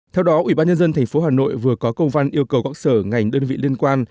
theo đó ủy ban nhân dân thành phố hà nội vừa có công văn yêu cầu góc sở ngành đơn vị liên quan